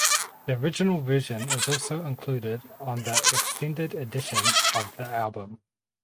The original version is also included on the extended edition of the album.